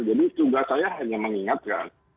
jadi tugas saya hanya mengingatkan